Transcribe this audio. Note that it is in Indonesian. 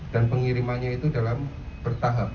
dan pengirimannya itu dalam bertahap